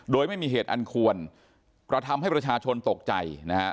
โดยไม่มีเหตุอันควรกระทำให้ประชาชนตกใจนะฮะ